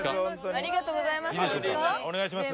ありがとうございます。